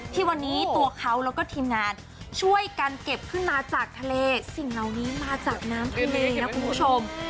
ที่วันนี้ตัวเขาแล้วก็ทีมงานช่วยกันเก็บขึ้นมาจากทะเลสิ่งเหล่านี้มาจากน้ำทะเลนะคุณผู้ชม